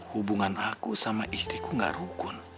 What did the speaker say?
hubungan aku sama istriku gak rukun